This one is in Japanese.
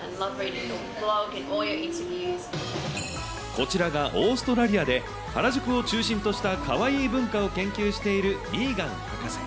こちらがオーストラリアで、原宿を中心としたカワイイ文化を研究しているミーガン博士。